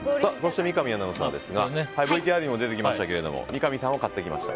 三上アナウンサーですがＶＴＲにも出てきましたが三上さんを買ってきました。